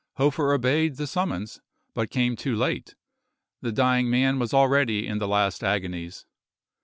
Hofer obeyed the summons, but came too late, the dying man was already in the last agonies.